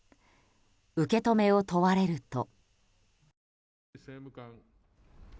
受け止めを問われると。